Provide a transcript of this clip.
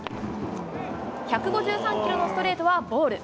１５３キロのストレートはボール。